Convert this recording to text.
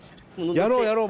やろうやろう